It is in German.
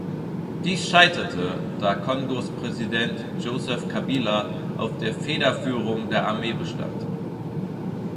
Dies scheiterte, da Kongos Präsident Joseph Kabila auf der Federführung der Armee bestand.